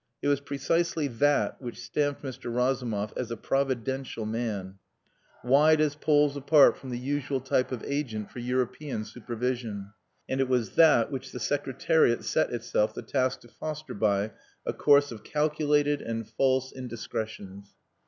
It was precisely that which stamped Mr. Razumov as a providential man, wide as poles apart from the usual type of agent for "European supervision." And it was that which the Secretariat set itself the task to foster by a course of calculated and false indiscretions.